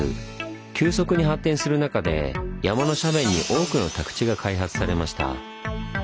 急速に発展する中で山の斜面に多くの宅地が開発されました。